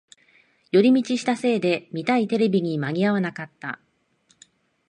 寄り道したせいで見たいテレビに間に合わなかった